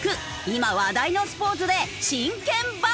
今話題のスポーツで真剣バトル！